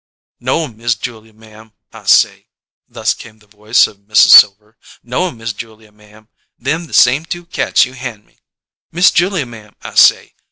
"'No'm, Miss Julia, ma'am,' I say" thus came the voice of Mrs. Silver "'no'm, Miss Julia, ma'am. Them the same two cats you han' me, Miss Julia, ma'am,' I say.